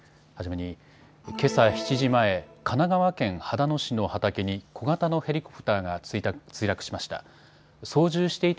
けさ７時前、神奈川県秦野市の畑に小型のヘリコプターが墜落しました。